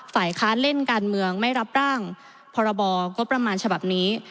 ฝ่ายค้านเล่นการเมืองไม่รับร่างพรบงบประมาณฉบับนี้